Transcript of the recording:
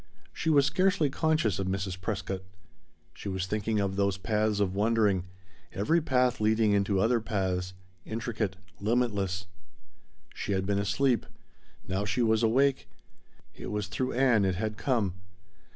She was scarcely conscious of Mrs. Prescott. She was thinking of those paths of wondering, every path leading into other paths intricate, limitless. She had been asleep. Now she was awake. It was through Ann it had come.